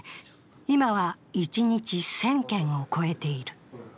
今は一日１０００件を超えている。